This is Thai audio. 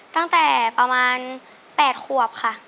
ตั้งแต่ประมาณ๘ขวบค่ะ